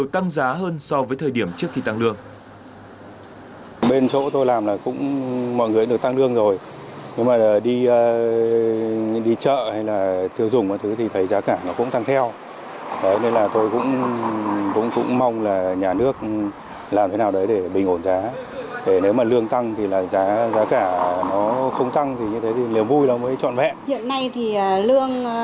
tăng giá hơn so với thời điểm trước khi tăng lương